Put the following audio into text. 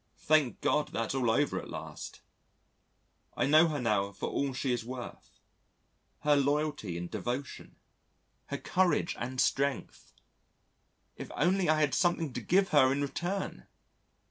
Thank God that's all over at last. I know her now for all she is worth her loyalty and devotion, her courage and strength. If only I had something to give her in return!